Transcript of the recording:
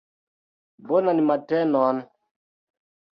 Bonan matenon.